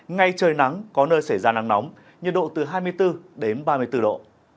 ngay trời nắng có nơi xảy ra nắng nóng nhiệt độ từ hai mươi bốn đến ba mươi bốn độ